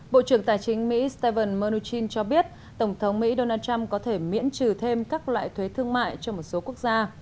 bộ trưởng tài chính mỹ stephen mnuchin cho biết tổng thống mỹ donald trump có thể miễn trừ thêm các loại thuế thương mại cho một số quốc gia